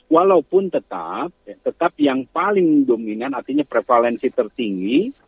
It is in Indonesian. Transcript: walaupun tetap tetap yang paling dominan artinya prevalensi tertinggi